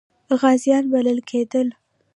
غازیان بلل کېدل.